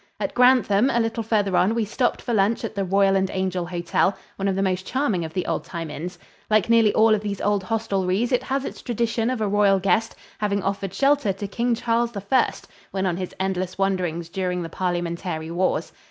At Grantham, a little farther on, we stopped for lunch at the "Royal and Angel" Hotel, one of the most charming of the old time inns. Like nearly all of these old hostelries, it has its tradition of a royal guest, having offered shelter to King Charles I when on his endless wanderings during the Parliamentary wars.